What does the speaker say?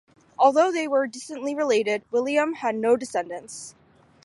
Although they were distantly related, William had no descendants.